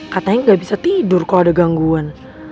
katanya nggak bisa tidur kalau ada gangguan